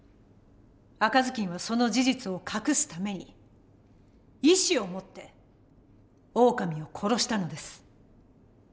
赤ずきんはその事実を隠すために意思を持ってオオカミを殺したのです。